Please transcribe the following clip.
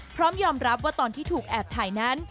พร้อมยอมรับว่าตอนที่ถูกแอบถ่ายนั้น